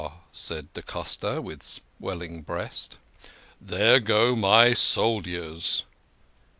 " said da Costa, with swelling breast. " There go my soldiers